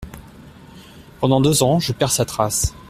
Pendant deux ans, je perds sa trace.